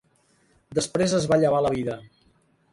Després es va llevar la vida.